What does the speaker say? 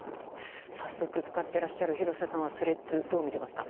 早速使っていらっしゃる廣瀬さんはＴｈｒｅａｄｓどう見ていますか？